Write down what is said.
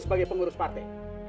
sebagai pengurus partai